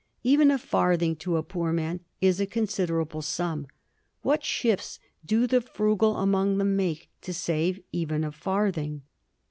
Even a farthing to a poor man is a considerable sum ; what shifts do the frugal among them make to save even a farthing